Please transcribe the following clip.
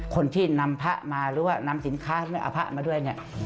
คนที่นำภะมาหรือว่านำสินค้าเอาอาภะมาด้วย